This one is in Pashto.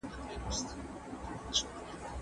زه مخکي درسونه لوستي وو.